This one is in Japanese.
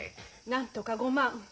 なんとか５万。